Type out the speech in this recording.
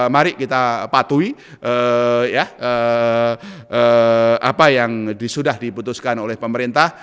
mari kita patuhi apa yang sudah diputuskan oleh pemerintah